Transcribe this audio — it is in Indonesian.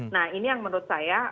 nah ini yang menurut saya